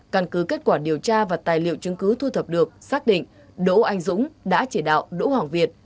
căn cứ kết quả điều tra và tài liệu chứng cứ thu thập được xác định đỗ anh dũng đã chỉ đạo đỗ hoàng việt